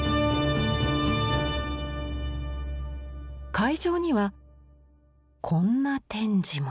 会場にはこんな展示も。